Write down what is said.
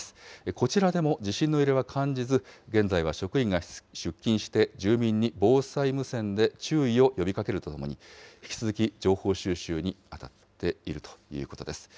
こちらでも地震の揺れは感じず、現在は職員が出勤して、住民に防災無線で注意を呼びかけるとともに、引き続き情報収集にあたっているということです。